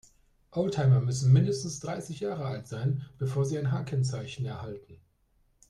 Oldtimer müssen mindestens dreißig Jahre alt sein, bevor sie ein H-Kennzeichen erhalten.